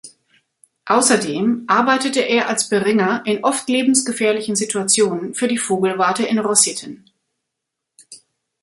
Außerdem arbeitete er als Beringer in oft lebensgefährlichen Situationen für die Vogelwarte in Rossitten.